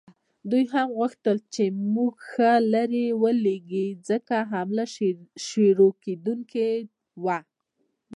دوی هم غوښتل چې موږ ښه لرې ولیږي، ځکه حمله شروع کېدونکې وه.